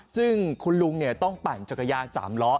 ซึ่งคุณลุงต้องปั่นจักรยาน๓ล้อ